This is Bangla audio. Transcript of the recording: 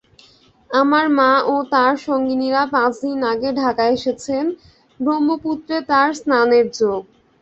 আমার মা ও তাঁর সঙ্গিনীরা পাঁচদিন আগে ঢাকা এসেছেন, ব্রহ্মপুত্রে পবিত্র স্নানের যোগ।